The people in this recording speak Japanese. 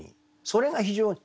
それが非常に。